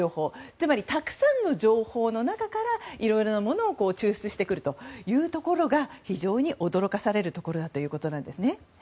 つまりたくさんの情報の中からいろいろなものを抽出してくるというところが非常に驚かされるところだということです。